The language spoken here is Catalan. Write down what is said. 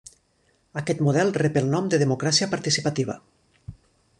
Aquest model rep el nom de democràcia participativa.